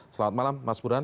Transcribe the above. selamat malam mas burhan